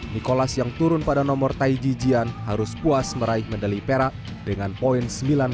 nikolas yang turun pada nomor taiji jian harus puas meraih medali perak dengan poin sembilan tujuh puluh satu